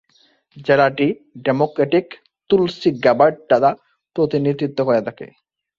জেলাটি Democratic Tulsi Gabbard দ্বারা প্রতিনিধিত্ব করে থাকে।